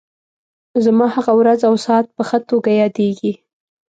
زما هغه ورځ او ساعت په ښه توګه یادېږي.